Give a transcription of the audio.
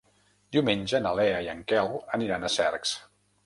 Diumenge na Lea i en Quel aniran a Cercs.